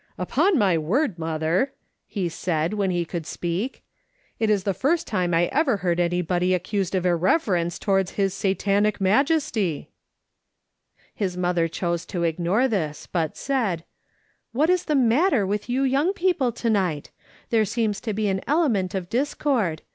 " Upon my word, mother," he said, when he could speak, " it is the first time I ever heard anybody accused of irreverence towards his Satanic majesty !" His mother chose to ignore this, but said :" Wliat is the matter with you young people to night ? There seems to be an element of discord. ISO MJCS.